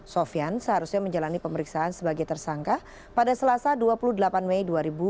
sofian seharusnya menjalani pemeriksaan sebagai tersangka pada selasa dua puluh delapan mei dua ribu dua puluh